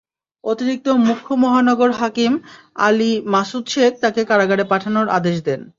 অতিরিক্ত মুখ্য মহানগর হাকিম আলী মাসুদ শেখ তাঁকে কারাগারে পাঠানোর আদেশ দেন।